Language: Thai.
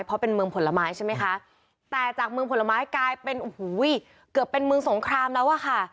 เพราะเป็นเมืองผลไม้ใช่ไหมคะแต่จากเมืองผลไม้กลายเป็นโอ้โหเกือบเป็นเมืองสงครามแล้วอะค่ะ